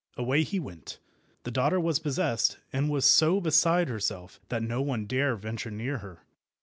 Away he went. The daughter was possessed, and was so beside herself that no one dare venture near her.